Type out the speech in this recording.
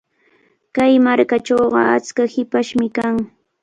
Kay markachawqa achka hipashmi kan.